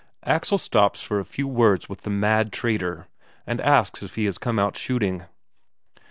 Axel stops for a few words with the mad trader, and asks if he has come out shooting.